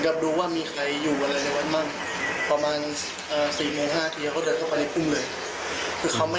แล้วก็ไปเปิดใจพันแจงร้อยครับ